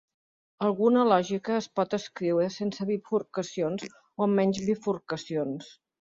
Alguna lògica es pot escriure sense bifurcacions o amb menys bifurcacions.